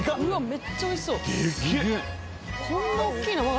めっちゃ美味しそう！